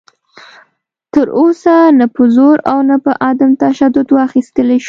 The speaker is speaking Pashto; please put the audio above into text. تر اوسه نه په زور او نه په عدم تشدد واخیستلی شو